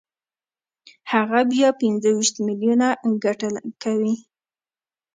هغه بیا پنځه ویشت میلیونه ګټه کوي